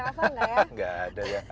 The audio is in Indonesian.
enggak ada ya